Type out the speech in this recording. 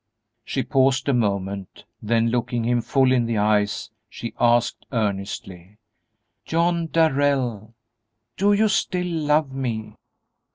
She paused a moment, then, looking him full in the eyes, she asked, earnestly, "John Darrell, do you still love me?"